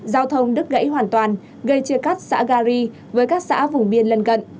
giao thông đứt gãy hoàn toàn gây chia cắt xã gà ri với các xã vùng biên lân gận